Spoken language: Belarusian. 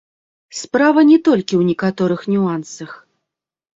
Справа не толькі ў некаторых нюансах.